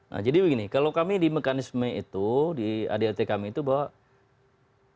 nah jadi begini kalau kami di mekanisme itu di adrt kami itu bahwa